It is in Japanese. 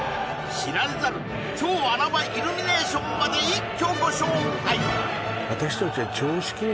知られざる超穴場イルミネーションまで一挙ご紹介！